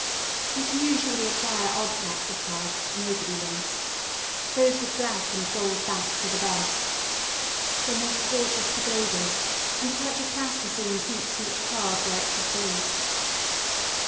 You can usually acquire odd packs of cards that nobody wants. Those with black and gold backs are the best. They make gorgeous pagodas, and a touch of Plasticine keeps each card where it should be.